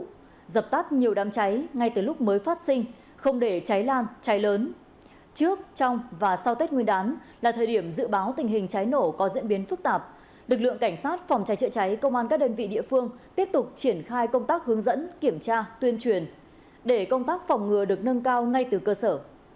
tết nguyên đán vừa qua lực lượng cảnh sát phòng cháy chữa cháy ngay tới lúc mới phát sinh không để cháy lan cháy lớn trước trong và sau tết nguyên đán là thời điểm dự báo tình hình cháy nổ có diễn biến phức tạp lực lượng cảnh sát phòng cháy chữa cháy công an các đơn vị địa phương tiếp tục triển khai công tác hướng dẫn kiểm tra tuyên truyền để công tác phòng ngừa được nâng cao ngay từ cơ sở